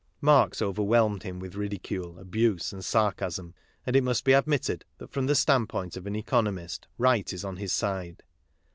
Marx overwhelmed him with ridicule, abuse, and sarcasm, and it must be admitted that from the standpoint of an economist, right is on his side.